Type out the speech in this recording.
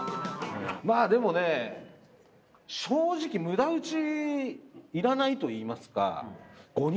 まあでもね正直無駄うちいらないといいますか。